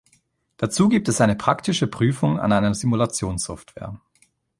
Dazu gibt es eine praktische Prüfung an einer Simulationssoftware.